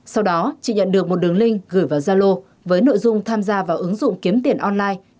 sau đó chỉ nhận được một đường link gửi vào gia lô với nội dung tham gia vào ứng dụng kiếm tiền online